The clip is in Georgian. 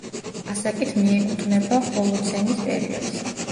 ასაკით მიკეუთვნება ჰოლოცენის პერიოდს.